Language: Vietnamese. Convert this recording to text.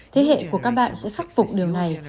thế hệ của các bạn sẽ khắc phục điều này